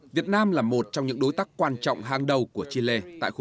việt nam là một trong những đối tác quan trọng hàng đầu của chile